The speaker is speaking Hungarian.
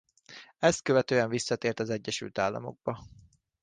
Ezt követően visszatért az Egyesült Államokba.